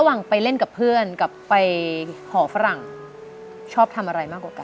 ไปเล่นกับเพื่อนกับไปหอฝรั่งชอบทำอะไรมากกว่ากัน